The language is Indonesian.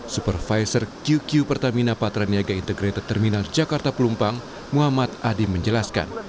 supervisor q pertamina patraniaga integrated terminal jakarta pelumpang muhammad adi menjelaskan